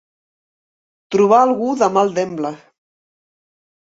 Trobar algú de mal demble.